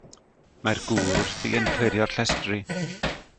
Mae'r gŵr wrthi yn clirio'r llestri.